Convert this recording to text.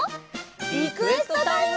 リクエストタイム！